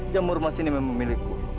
jamur mas ini memang milikku